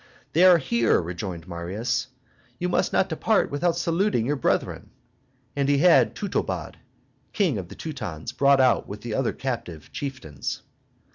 "They are here," rejoined Marius; "you must not depart without saluting your brethren;" and he had Teutobod, King of the Teutons, brought out with other captive chieftains.